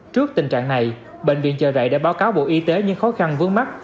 trước tình trạng này bệnh viện chợ rẫy đã báo cáo bộ y tế những khó khăn vướng mắt